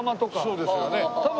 そうですよね。